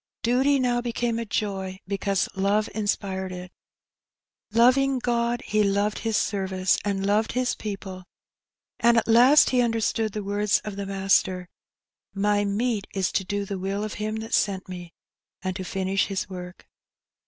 Duty now became a joy, because love inspired it. Loving God, he loved His service and loved His people ; and at last he understood the words of the Master, ''My meat is to do the will of Him that sent Me, and to finish His work."